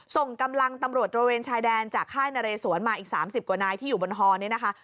ส่งกำลังตำรวจตระเวนชายแดนจากค่ายนเรสวนมาอีก๓๐กว่านายที่อยู่บนฮอนี่นะคะ